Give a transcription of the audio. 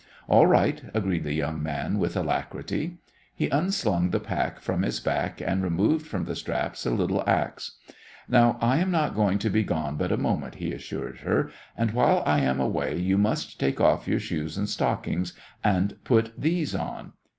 "All right," agreed the young man with alacrity. He unslung the pack from his back, and removed from the straps a little axe. "Now, I am not going to be gone but a moment," he assured her, "and while I am away, you must take off your shoes and stockings and put these on."